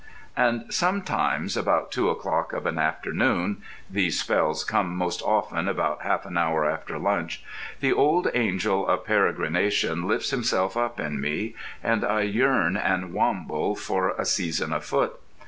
And sometimes, about two o'clock of an afternoon (these spells come most often about half an hour after lunch), the old angel of peregrination lifts himself up in me, and I yearn and wamble for a season afoot.